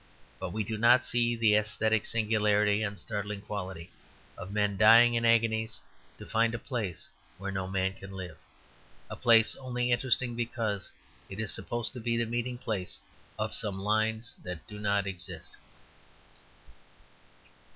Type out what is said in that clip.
But we do not see the aesthetic singularity and startling quality of men dying in agonies to find a place where no man can live a place only interesting because it is supposed to be the meeting place of some lines that do not exist.